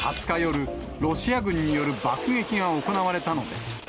２０日夜、ロシア軍による爆撃が行われたのです。